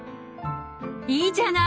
いいじゃない！